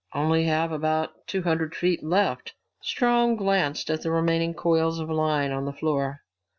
"Only have about two hundred feet left." Strong glanced at the remaining coils of line on the floor.